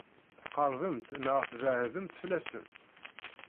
Tqeṛbemt neɣ tbeɛdemt fell-asen?